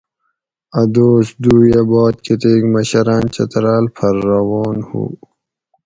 اۤ دوس دویہ باد کتیک مشراۤن چتراۤل پھر روان ہو